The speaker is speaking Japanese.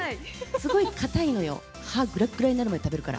すごい硬いのよ。